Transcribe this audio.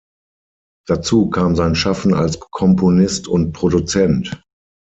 Dazu kam sein Schaffen als Komponist und Produzent.